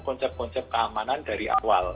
konsep konsep keamanan dari awal